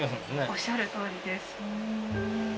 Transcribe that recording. おっしゃるとおりです。